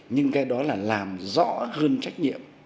nhưng cái đó là làm rõ hơn trách nhiệm